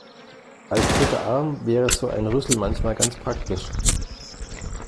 Als dritter Arm wäre so ein Rüssel manchmal ganz praktisch.